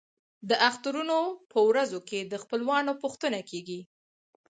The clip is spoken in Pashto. د اخترونو په ورځو کې د خپلوانو پوښتنه کیږي.